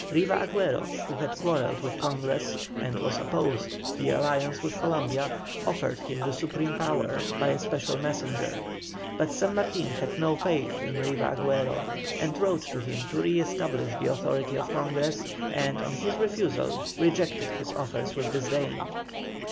Riva Agüero, who had quarrelled with Congress, and was opposed to the alliance with Columbia, offered him the supreme power, by a special messenger. But San Martin had no faith in Riva Agüero, and wrote to him to re establish the authority of Congress, and on his refusal, rejected his offers with disdain.